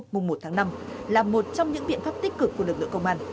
mùng một tháng năm là một trong những biện pháp tích cực của lực lượng công an